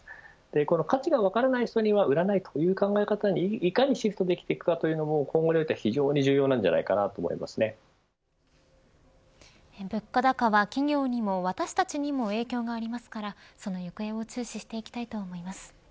この価値が分からない人には売らないという考え方にいかにシフトできるのかというのも今後において物価高は企業にも私たちにも影響がありますからその行方を注視していきたいと思います。